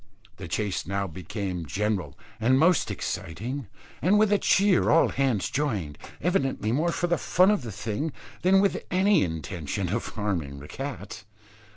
The chase now became general and most exciting; and with a cheer all hands joined, evidently more for the fun of the thing, than with any intention of harming the cat.